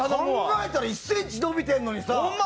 考えたら１ｃｍ伸びてるのにさ！